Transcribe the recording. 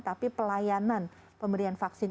tapi pelayanan pemberian vaksin